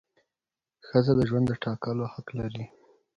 ښځه د ژوند د ټاکلو حق لري.